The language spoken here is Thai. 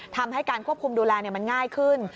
ทำให้การควบคุมดูแลมันง่ายขึ้น